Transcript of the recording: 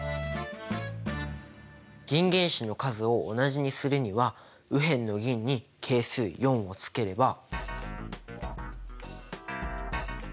銀原子の数を同じにするには右辺の銀に係数４をつければ。